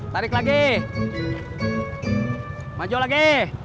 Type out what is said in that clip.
tarik lagi maju lagi